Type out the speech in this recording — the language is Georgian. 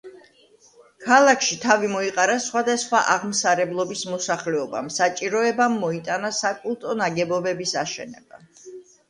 ქალაქში თავი მოიყარა სხვადასხვა აღმსარებლობის მოსახლეობამ, საჭიროებამ მოიტანა საკულტო ნაგებობების აშენება.